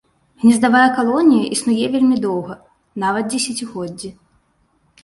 Гнездавая калонія існуе вельмі доўга нават дзесяцігоддзі.